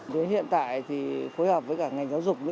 đến hiện tại thì phối hợp với cả ngành giáo dục